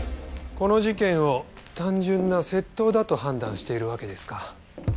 この事件を単純な窃盗だと判断しているわけですか。